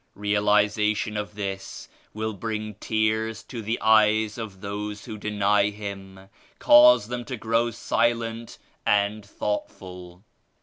Realization of this will bring tears to the eyes of those who deny Him; cause them to grow silent and thoughtful.